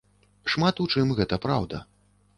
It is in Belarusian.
Шмат у чым гэта праўда.